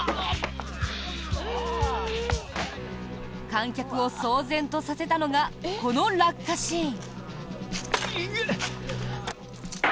観客を騒然とさせたのがこの落下シーン！